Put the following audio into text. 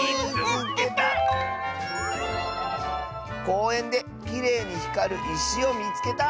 「こうえんできれいにひかるいしをみつけた！」。